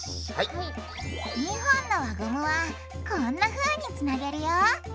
２本の輪ゴムはこんなふうにつなげるよ。